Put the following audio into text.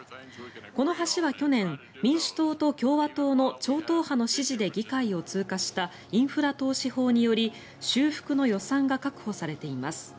この橋は去年、民主党と共和党の超党派の支持で議会を通過したインフラ投資法により修復の予算が確保されています。